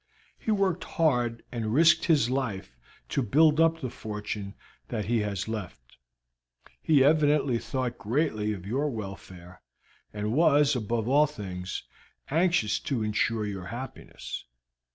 He worked hard and risked his life to build up the fortune that he has left. He evidently thought greatly of your welfare, and was, above all things, anxious to insure your happiness.